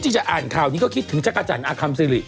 ที่จะอ่านคราวนี้ก็คิดถึงชะกะจันอคัมซิริ